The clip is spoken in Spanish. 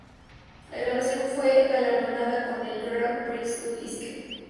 La grabación fue galardonada con el "Grand Prix du Disque".